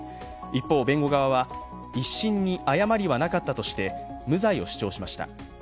一方、弁護側は、１審に誤りはなかったして無罪を主張しました。